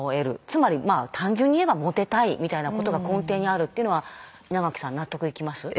つまり単純に言えばモテたいみたいなことが根底にあるっていうのは稲垣さん納得いきます？